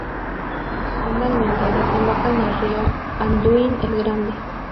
Finalmente, desemboca en el río Anduin el Grande.